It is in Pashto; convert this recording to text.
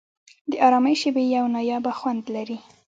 د آرامۍ شېبې یو نایابه خوند لري.